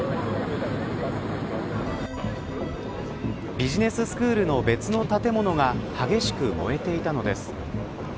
ビジネススクールの別の建物が激しく燃えていたのです。